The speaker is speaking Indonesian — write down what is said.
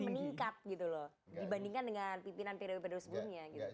dibandingkan dengan pimpinan pdb pada sebelumnya